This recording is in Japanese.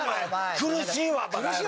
「苦しいわバカ野郎！